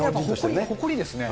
誇りですね。